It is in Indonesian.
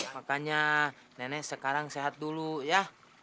makanya nenek sekarang sehat dulu ya